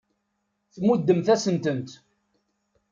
Tmuddemt-asen-tent.